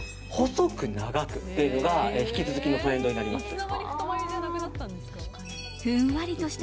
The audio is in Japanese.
細く長くというのが引き続きのトレンドになります。